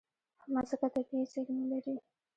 مځکه طبیعي زیرمې لري.